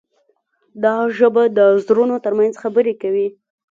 دا ژبه د زړونو ترمنځ خبرې کوي.